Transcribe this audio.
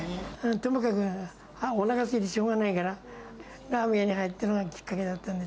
ともかく、おなかすいてしょうがないから、ラーメン屋に入ったのがきっかけだったんです。